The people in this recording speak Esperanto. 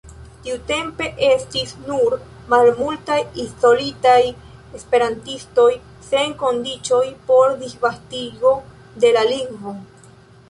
Tiutempe estis nur malmultaj izolitaj esperantistoj, sen kondiĉoj por disvastigo de la lingvo.